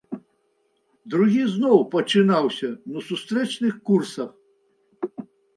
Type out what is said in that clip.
Другі зноў пачынаўся на сустрэчных курсах.